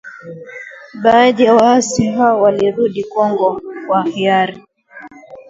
Baadhi ya waasi hao walirudi Kongo kwa hiari